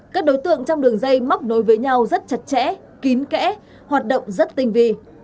các đối tượng trong đường dây móc nối với nhau rất chặt chẽ kín kẽ hoạt động rất tinh vi